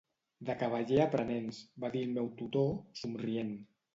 "De cavaller a aprenents", va dir el meu tutor, somrient.